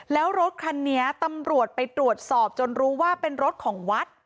แล้วรถคันนี้ตำรวจไปตรวจสอบจนรู้ว่าเป็นรถของวัด